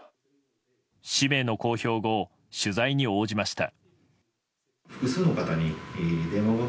氏名の公表後、取材に応じました。